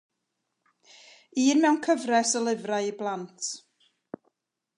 Un mewn cyfres o lyfrau i blant.